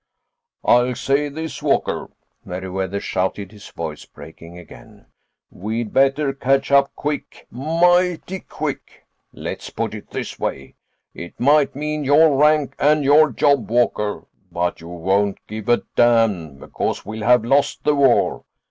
"I'll say this, Walker," Meriwether shouted, his voice breaking again. "We'd better catch up quick. Mighty quick. Let's put it this way. It might mean your rank and your job, Walker. But you won't give a damn. Because we'll have lost the war.